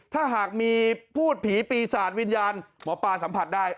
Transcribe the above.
ถ้าหากมีพูดผีปีศาจวิญญาณหมอปลาสัมผัสได้